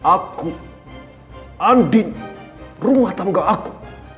aku andin rumah tangga aku